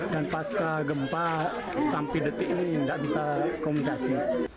pasca gempa sampai detik ini tidak bisa komunikasi